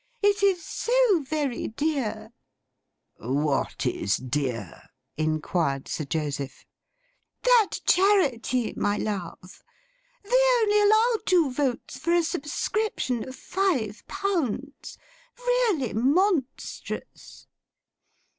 It is so very dear.' 'What is dear?' inquired Sir Joseph. 'That Charity, my love. They only allow two votes for a subscription of five pounds. Really monstrous!